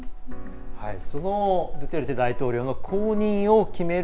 そのドゥテルテ大統領の後任を決める